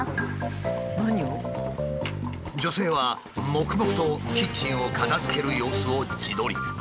女性は黙々とキッチンを片づける様子を自撮り。